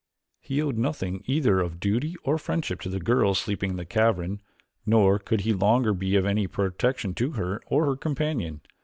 He owed nothing either of duty or friendship to the girl sleeping in the cavern, nor could he longer be of any protection to her or her companion.